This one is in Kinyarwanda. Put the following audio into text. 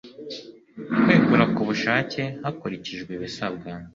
k wegura ku bushake hakurikijwe ibisabwa